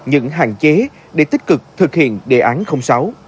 những hạn chế để tích cực thực hiện đề án sáu